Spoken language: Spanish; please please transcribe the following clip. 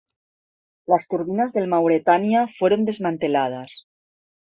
Las turbinas del "Mauretania" fueron desmanteladas.